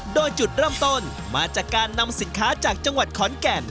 โดยจุดเริ่มต้นมาจากการนำสินค้าจากจังหวัดขอนแก่น